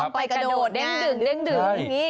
ชอบไปกระโดดแด้งแบบนี้